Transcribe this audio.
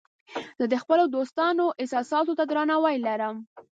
زه د خپلو دوستانو احساساتو ته درناوی لرم.